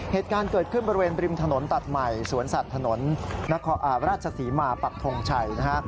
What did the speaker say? เหตุการณ์เกิดขึ้นบริเวณบริมถนนตัดใหม่สวนสัตว์ถนนนครราชศรีมาปักทงชัยนะฮะ